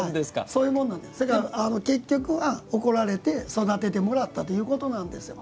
結局は怒られて育ててもらったということなんですよ。